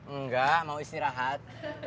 enggak mau istirahat